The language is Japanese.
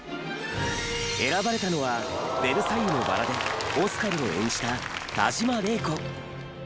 選ばれたのは『ベルサイユのばら』でオスカルを演じた田島令子。